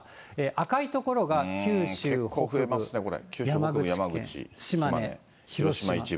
赤い所が九州北部、山口県、島根、広島。